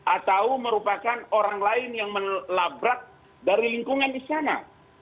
atau merupakan orang lain yang menabrak dari lingkungan istana